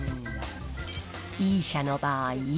Ｅ社の場合。